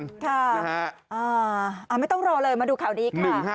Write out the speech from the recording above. ไม่ต้องรอเลยมาดูข่าวนี้ค่ะ